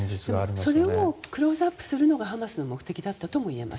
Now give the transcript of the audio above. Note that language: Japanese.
でも、それをクローズアップするのがハマスの目的だったとも言えます。